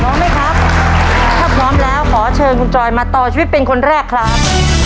พร้อมไหมครับถ้าพร้อมแล้วขอเชิญคุณจอยมาต่อชีวิตเป็นคนแรกครับ